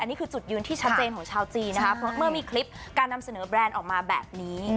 นี่คือจุดยืนที่ชัดเจนของชาวจีนนะคะเพราะเมื่อมีคลิปการนำเสนอแบรนด์ออกมาแบบนี้